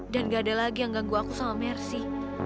dan gak ada lagi yang ganggu aku sama mercy